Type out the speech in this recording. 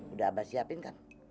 udah abah siapin kan